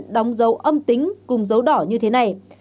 đóng dấu âm tính cùng dấu đỏ như thế này